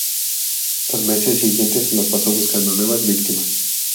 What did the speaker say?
Los meses siguientes los pasó buscando nuevas víctimas.